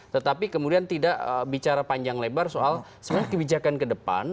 tetapi kemudian tidak bicara panjang lebar soal sebenarnya kebijakan ke depan